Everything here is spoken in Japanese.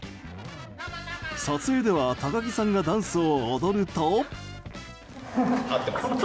撮影では高木さんがダンスを踊ると。